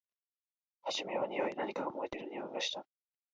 はじめはにおい。何かが燃えているにおいがした。